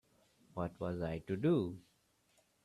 What was I to do?